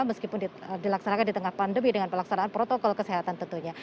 meskipun dilaksanakan di tengah pandemi dengan pelaksanaan protokol kesehatan tentunya